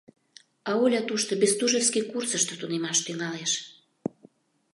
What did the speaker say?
А Оля тушто Бестужевский курсышто тунемаш тӱҥалеш.